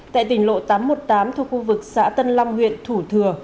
tại tỉnh lộ tám trăm một mươi tám thuộc khu vực xã tân long huyện thủ thừa